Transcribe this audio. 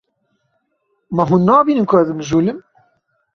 Ma hûn nabînin ku ez mijûl im?